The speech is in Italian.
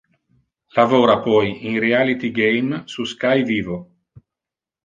Lavora poi in Reality Game su Sky Vivo.